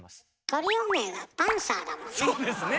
トリオ名がパンサーだもんね。